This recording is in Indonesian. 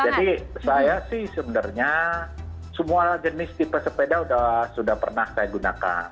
jadi saya sih sebenarnya semua jenis tipe sepeda sudah pernah saya gunakan